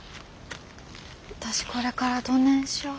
私これからどねんしょう。